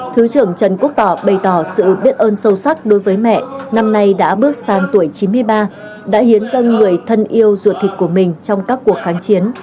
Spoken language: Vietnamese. thứ trưởng trần quốc tỏ bày tỏ sự biết ơn sâu sắc đối với mẹ năm nay đã bước sang tuổi chín mươi ba đã hiến dân người thân yêu ruột thịt của mình trong các cuộc kháng chiến